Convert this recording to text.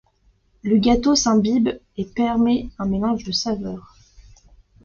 Le gâteau s'imbibe et permet un mélange de saveurs.